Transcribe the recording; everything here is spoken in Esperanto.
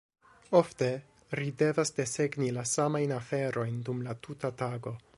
Ofte, ri devas desegni la samajn aferojn dum la tuta tago.